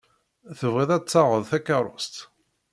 Tebɣiḍ ad d-taɣeḍ takeṛṛust.